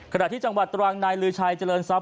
ขณะที่จังหวัดตรังนายลือชัยเจริญทรัพย